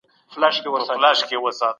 پوهي د ډېرو انسانانو ژوند بدل کړی دی.